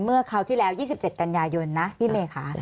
เมื่อคราวที่แล้ว๒๗กันยายนพี่เมย์ค่ะ